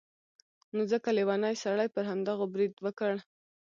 نو ځکه لیوني سړي پر همدغو برید وکړ.